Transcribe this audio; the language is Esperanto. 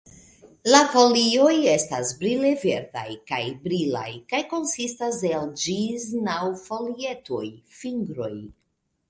La folioj estas brile verdaj kaj brilaj kaj konsistas el ĝis naŭ folietoj (fingroj).